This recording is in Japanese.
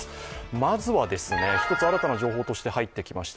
まずは、新たな情報として入ってきました。